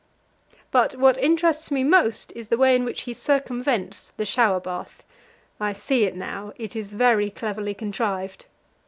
But what interests me most is the way in which he circumvents the shower bath. I see it now; it is very cleverly contrived.